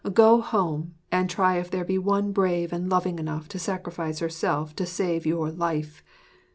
Go home and try if there be one brave and loving enough to sacrifice herself to save your life.